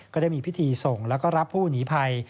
ก็ได้มีพิธีส่งแล้วก็รับผู้หนีภัย